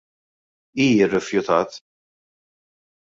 Hi rrifjutat.